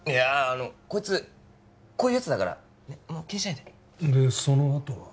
あのこいつこういうやつだからねっもう気にしないででそのあとは？